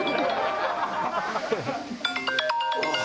ああ。